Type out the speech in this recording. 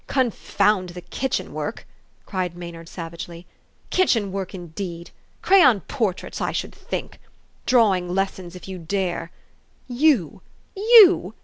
J "Confound the kitchen work !" cried Maynard savagely. " Kitchen work, indeed! Crayon por traits, I should think ! Drawing lessons if you dare ! You you